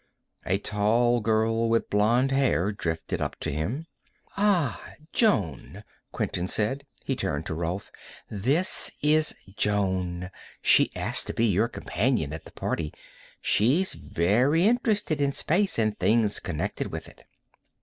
A tall girl with blonde hair drifted up to him. "Ah. Jonne," Quinton said. He turned to Rolf. "This is Jonne. She asked to be your companion at the party. She's very interested in space and things connected with it."